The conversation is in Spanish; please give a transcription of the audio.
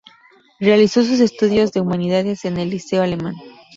Realizó sus estudios de Humanidades en el Liceo Alemán.